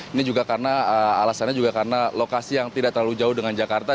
ini juga karena alasannya juga karena lokasi yang tidak terlalu jauh dengan jakarta